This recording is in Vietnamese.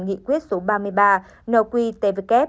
nghị quyết số ba mươi ba nqtvk